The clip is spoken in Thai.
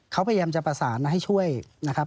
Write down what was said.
เขาพยายามจะประสานให้ช่วยนะครับ